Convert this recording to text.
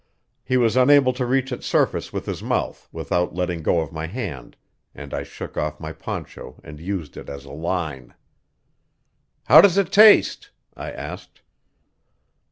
He was unable to reach its surface with his mouth without letting go of my hand, and I shook off my poncho and used it as a line. "How does it taste?" I asked.